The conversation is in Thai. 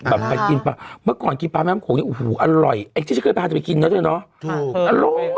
แบบไปกินปลาเมื่อก่อนกินปลาแม่น้ำโขงเนี้ยโอ้โหอร่อยไอ้ที่เคยพาจะไปกินเนอะใช่ไหมเนอะถูก